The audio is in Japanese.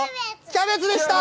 キャベツでした。